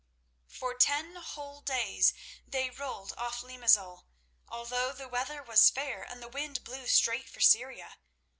For ten whole days they rolled off Limazol, although the weather was fair and the wind blew straight for Syria.